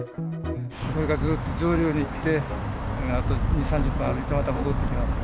これから上流に行って、あと２、３０分歩いて、また戻ってきます。